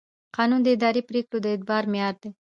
قانون د اداري پرېکړو د اعتبار معیار دی.